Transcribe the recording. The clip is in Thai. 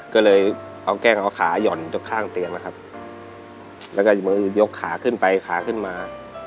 ก็เลยเอาแก้เขาเอาขาย่อนจนข้างเตียงแล้วครับแล้วก็มือยกขาขึ้นไปขาขึ้นมา